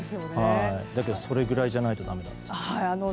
だけど、それぐらいじゃないとだめだと。